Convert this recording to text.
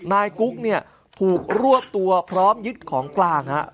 นายกุ๊กเนี่ยถูกรวบตัวพร้อมยึดของกลางฮะ